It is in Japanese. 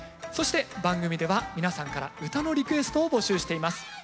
そして番組では皆さんから唄のリクエストを募集しています。